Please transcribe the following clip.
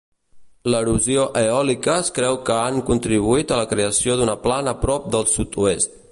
L'erosió eòlica es creu que han contribuït a la creació d'una plana prop del sud-oest.